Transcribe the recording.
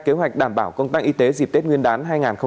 kế hoạch đảm bảo công tác y tế dịp tết nguyên đán hai nghìn hai mươi